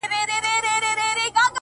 شاعره ياره ستا قربان سمه زه؛